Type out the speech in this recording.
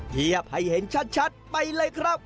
เทียบให้เห็นชัดไปเลยครับ